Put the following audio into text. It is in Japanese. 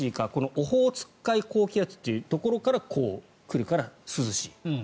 オホーツク海高気圧というところから来るから涼しい。